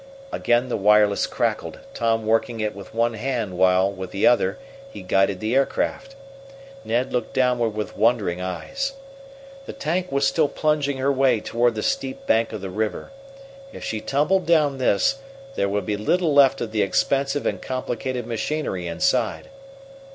Again the wireless crackled, Tom working it with one hand while, with the other, he guided the aircraft. Ned looked downward with wondering eyes. The tank was still plunging her way toward the steep bank of the river. If she tumbled down this, there would be little left of the expensive and complicated machinery inside.